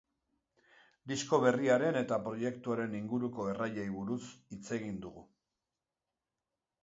Disko berriaren eta proiektuaren inguruko erraiei buruz hitz egin dugu.